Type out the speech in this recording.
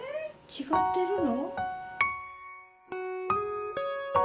違ってるの？